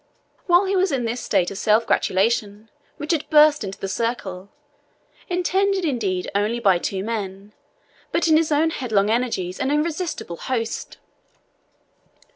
While he was in this state of self gratulation, Richard burst into the circle, attended, indeed, only by two men, but in his own headlong energies an irresistible host.